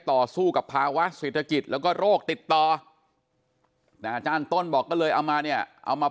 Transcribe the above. ต่อสู้กับภาวะเศรษฐกิจแล้วก็โรคติดต่ออาจารย์ต้นบอกก็เลยเอามา